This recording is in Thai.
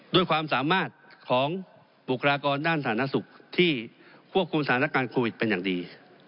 ด้วยความสามารถของบุคลากรด้านสาธารณสุขที่ควบคุมสถานการณ์โควิดเป็นอย่างดี